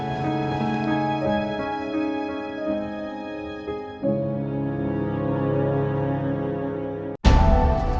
terima kasih mas